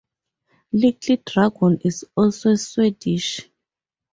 Little Dragon is also Swedish.